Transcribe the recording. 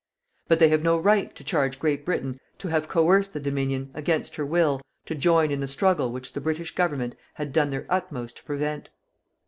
But they have no right to charge Great Britain to have coerced the Dominion, against her will, to join in the struggle which the British Government had done their utmost to prevent.